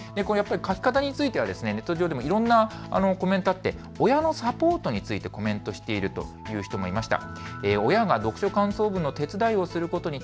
書き方についてはネット上でもいろんなコメントがあって、親のサポートについてコメントしている人もいました。